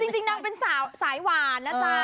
จริงนั่งเป็นสายหวานนะจ๊ะ